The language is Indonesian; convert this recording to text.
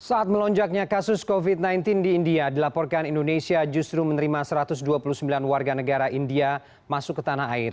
saat melonjaknya kasus covid sembilan belas di india dilaporkan indonesia justru menerima satu ratus dua puluh sembilan warga negara india masuk ke tanah air